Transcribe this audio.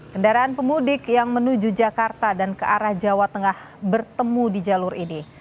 kendaraan pemudik yang menuju jakarta dan ke arah jawa tengah bertemu di jalur ini